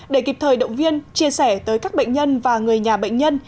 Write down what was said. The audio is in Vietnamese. để kịp thời động viên chia sẻ tới các bệnh nhân và người nhà bệnh nhân